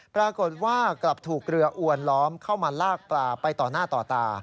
ปรากฏว่ากลับถูกเรืออวนล้อมเข้ามาลากปลาไปต่อหน้าต่อตา